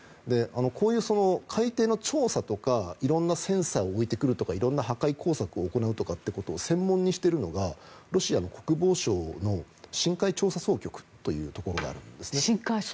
こういう海底の調査とか色んなセンサーを置いてくるとか破壊工作を行うということを専門にしているのがロシアの国防省の深海調査総局というところがあるんです。